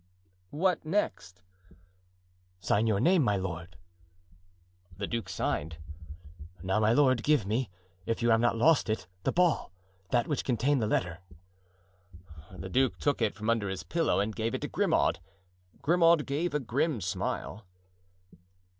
"What next?" "Sign your name, my lord." The duke signed. "Now, my lord, give me, if you have not lost it, the ball—that which contained the letter." The duke took it from under his pillow and gave it to Grimaud. Grimaud gave a grim smile.